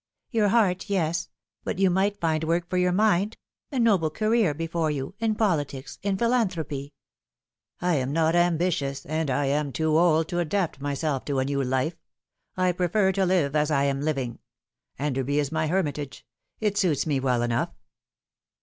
" Your heart, yes ; but you might find work for your mind a noble career before you in politics, in philanthropy." " I am not ambitious, and I am too old to adapt myself to a new life. I prefer to live as I am living. Eiiderby is my hermitage. It suits me well enough."